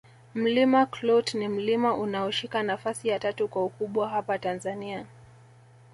Mlima Klute ni mlima unaoshika nafasi ya tatu kwa ukubwa hapa Tanzania